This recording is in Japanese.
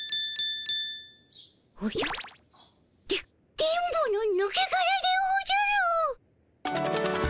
で電ボのぬけがらでおじゃる！